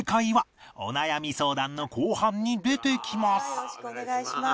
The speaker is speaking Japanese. よろしくお願いします。